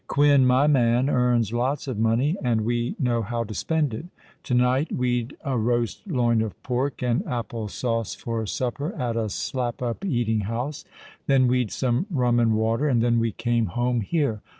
"Quin—my man—earns lots of money—and we know how to spend it. To night we'd a roast loin of pork and apple sauce for supper at a slap up eating house: then we'd some rum and water: and then we came home here.